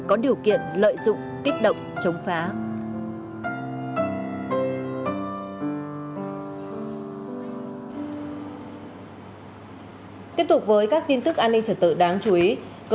ở dưới triều thuộc của đảng bộ